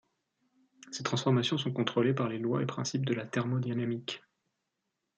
Ces transformations sont contrôlées par les lois et principes de la thermodynamique.